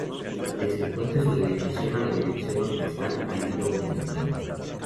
Desde entonces su dedicación a la dirección orquestal ha ido en aumento.